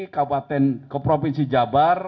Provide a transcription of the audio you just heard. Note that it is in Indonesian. ke provinsi jabar